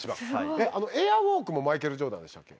あのエアウォークもマイケル・ジョーダンでしたっけ？